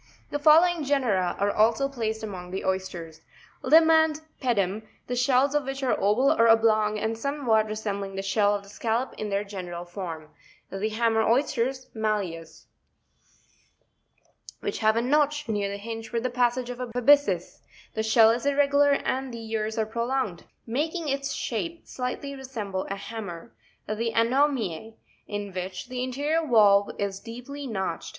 The following genera are also placed among the oysters; Lima and Pedum, the shells of which are oval or oblong and somes what resembling the shell of the Scallop in their gene ral form: 11. The Hammer Oys ters— Malleus ( fig. 92)— which have a notch near the hinge for the passage of a byssus: the shell is irregular and the ears are prolonged, making its shape slightly resemble a hammer: the ANomia, in which the interior valve 5 is deeply notched ( fig.